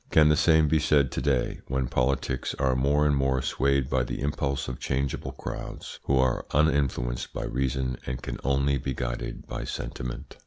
Can the same be said to day, when politics are more and more swayed by the impulse of changeable crowds, who are uninfluenced by reason and can only be guided by sentiment?